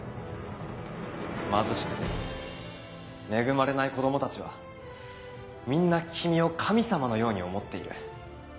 貧しくて恵まれない子どもたちはみんな君を神様のように思っている。